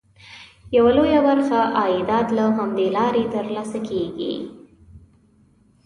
یوه لویه برخه عایدات له همدې لارې ترلاسه کېږي.